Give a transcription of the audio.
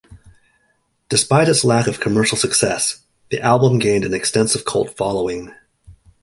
Despite its lack of commercial success, the album gained an extensive cult following.